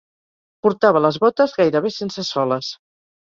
Portava les botes gairebé sense soles